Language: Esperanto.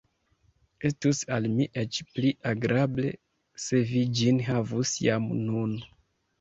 Estus al mi eĉ pli agrable, se vi ĝin havus jam nun.